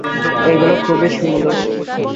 এগুলো খুবই সুন্দর!